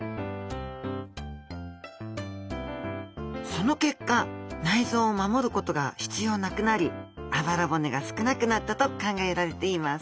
その結果内臓を守ることが必要なくなりあばら骨が少なくなったと考えられています